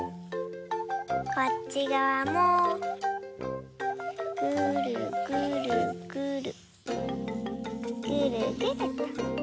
こっちがわもぐるぐるぐるぐるぐると。